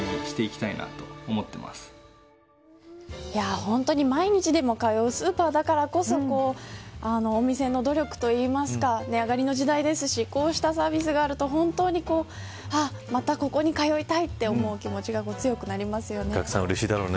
本当に毎日でも通うスーパーだからこそお店の努力といいますか値上がりの時代ですしこうしたサービスがあると本当にまたここに通いたいと思うお客さん、うれしいだろうね。